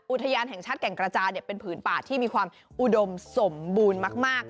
อุทยานแห่งชาติแก่งกระจาเป็นผืนป่าที่มีความอุดมสมบูรณ์มาก